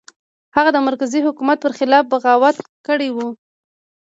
هغه د مرکزي حکومت پر خلاف بغاوت کړی و.